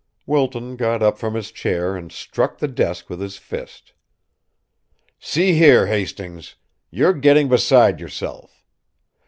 Wilton got up from his chair and struck the desk with his fist. "See here, Hastings! You're getting beside yourself.